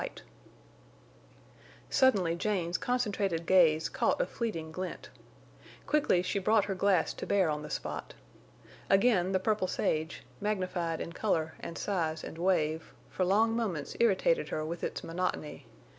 Suddenly Jane's concentrated gaze caught a fleeting glint. Quickly she brought her glass to bear on the spot. Again the purple sage, magnified in color and size and wave, for long moments irritated her with its monotony.